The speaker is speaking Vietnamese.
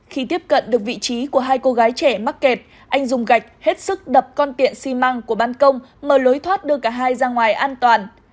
khi tiếp cận được vị trí của hai cô gái trẻ mắc kẹt anh dùng gạch hết sức đập con tiện xi măng của ban công mở lối thoát đưa cả hai ra ngoài an toàn